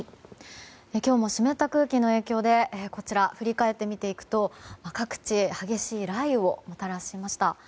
今日も湿った空気の影響で振り返って見ていくと各地激しい雷雨をもたらしました。